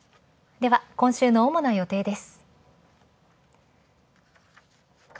では今週の主な予定です。